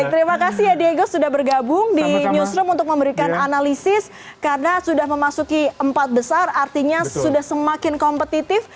terima kasih ya diego sudah bergabung di newsroom untuk memberikan analisis karena sudah memasuki empat besar artinya sudah semakin kompetitif